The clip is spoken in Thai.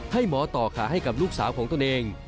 ให้หมอต่อขาให้กับลูกสาวของตนเอง